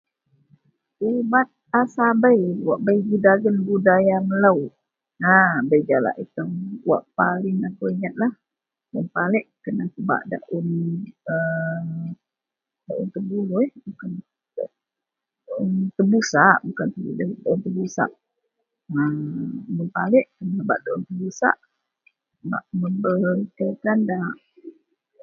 Ubat a sabei wak bei dagen budaya melou a bei jalak, wak paling akou inget lah. Palek kena pebak daun [amm] daun tebuluih, daun tebusak daun tebusak, mun palek pebak daun tebusak bak mebertikan daak